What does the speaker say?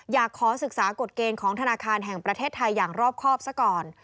อยากขอศึกษากฎเกณฑ์ของธนาคารแห่งประเทศไทยอย่างรอบครอบซะก่อน